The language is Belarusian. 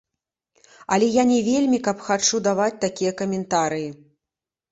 Але я не вельмі каб хачу даваць такія каментарыі.